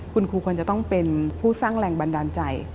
คุณครูควรจะต้องเป็นผู้สร้างแรงบันดาลใจ